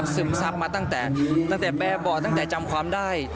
ซึมซับมาตั้งแต่แบบบ่อตั้งแต่จำความได้